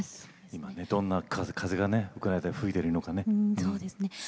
今どんな風がウクライナではどんな風が吹いているのかね。